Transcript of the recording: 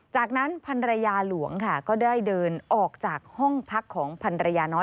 จากนั้นพันรยาหลวงค่ะก็ได้เดินออกจากห้องพักของพันรยาน้อย